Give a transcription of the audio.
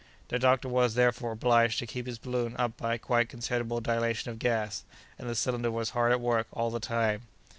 The doctor was, therefore, obliged to keep his balloon up by a quite considerable dilation of gas, and the cylinder was hard at work all the time.